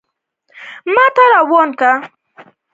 مات روان یمه له شا غــــــــږونه اورم